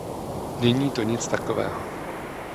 Není to nic takového.